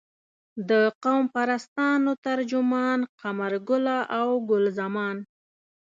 د قوم پرستانو ترجمان قمرګله او ګل زمان.